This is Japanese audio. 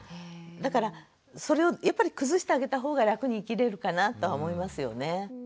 だからそれをやっぱり崩してあげた方が楽に生きれるかなとは思いますよね。